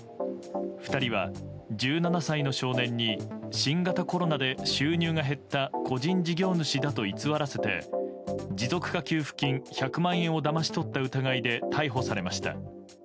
２人は１７歳の少年に新型コロナで収入が減った個人事業主だと偽らせて持続化給付金１００万円をだまし取った疑いで逮捕されました。